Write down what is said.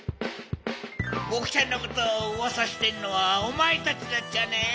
ボクちゃんのことをうわさしてるのはおまえたちだっちゃね。